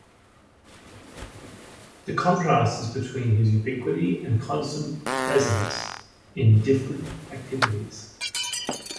The contrast is between his ubiquity and constant presence in different activities.